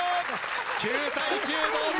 ９対９同点！